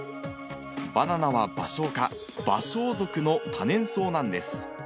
バナナはバショウ科バショウ属の多年草なんです。